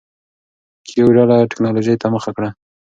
کیو ډله ټکنالوجۍ ته مخه کړه.